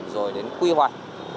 rồi đến quy hoạch